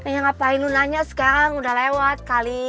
ya ngapain lu nanya sekarang udah lewat kali